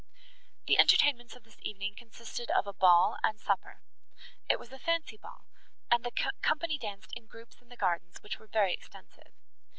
The entertainments of this evening consisted of a ball and supper; it was a fancy ball, and the company danced in groups in the gardens, which were very extensive.